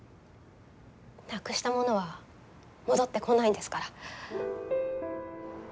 なくしたものは戻ってこないんですから。